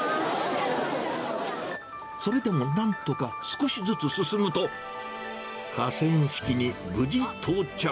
それでもなんとか少しずつ進むと、河川敷に無事到着。